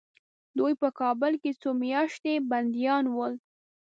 دوی په کابل کې څو میاشتې بندیان ول.